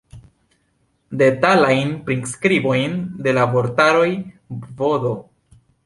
Detalajn priskribojn de la vortaroj vd.